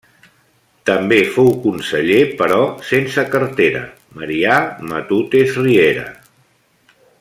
També fou conseller, però sense cartera, Marià Matutes Riera.